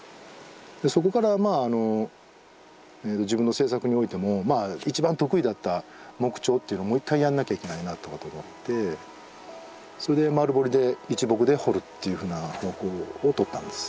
そこからまああの自分の制作においても一番得意だった木彫っていうのもう一回やんなきゃいけないなってこと思ってそれで丸彫りで一木で彫るっていうふうな方向をとったんです。